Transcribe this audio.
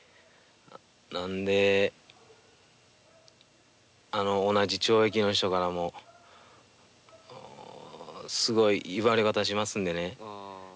なんで同じ懲役の人からもすごい言われ方しますんでね。